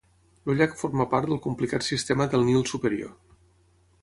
El llac forma part del complicat sistema del Nil superior.